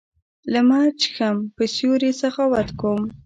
لمر چېښم په سیوري سخاوت کوم